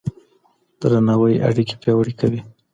درناوی اړيکې پياوړې کوي.